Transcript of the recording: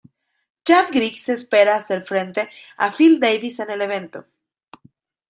Chad Griggs se espera hacer frente a Phil Davis en el evento.